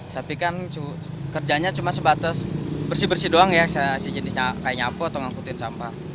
tapi kan kerjanya cuma sebatas bersih bersih doang ya kayak nyapo atau ngangkutin sampah